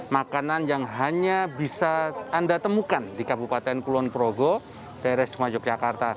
makanan yang hanya bisa anda temukan di kabupaten kulon progo daerah isma yogyakarta